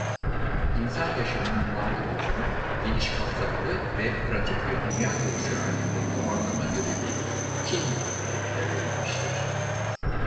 İnsan yaşamının varlık özünü geniş kapsamlı ve pratik bir dünya görüşü halinde toparlama görevi tin bilimine verilmiştir.